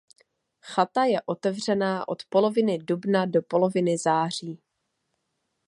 Chata je otevřená od poloviny dubna do poloviny září.